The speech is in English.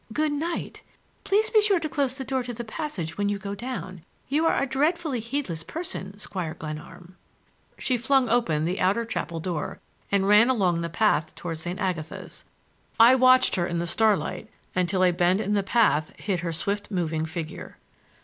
"Good night! Please be sure to close the door to the passage when you go down. You are a dreadfully heedless person, Squire Glenarm." She flung open the outer chapel door, and ran along the path toward St. Agatha's. I watched her in the starlight until a bend in the path hid her swift moving figure.